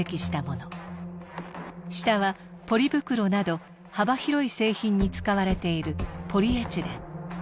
下はポリ袋など幅広い製品に使われているポリエチレン。